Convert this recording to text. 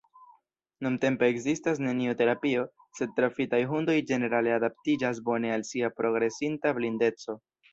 Nuntempe ekzistas neniu terapio, sed trafitaj hundoj ĝenerale adaptiĝas bone al sia progresinta blindeco.